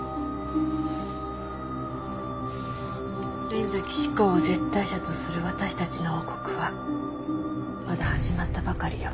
連崎至光を絶対者とする私たちの王国はまだ始まったばかりよ。